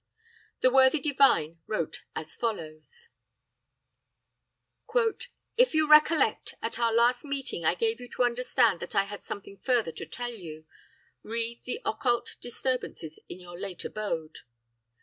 "The worthy divine wrote as follows: "'If you recollect, at our last meeting I gave you to understand that I had something further to tell you re the occult disturbances in your late abode.